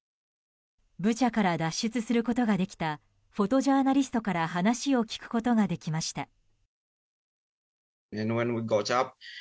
ブチャから脱出することができたフォトジャーナリストから話を聞くことができました。